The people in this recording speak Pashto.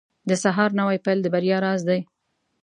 • د سهار نوی پیل د بریا راز دی.